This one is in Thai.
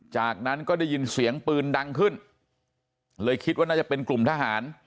จากนั้นก็ได้ยินเสียงปืนดังขึ้นเลยคิดว่าน่าจะเป็นกลุ่มทหาร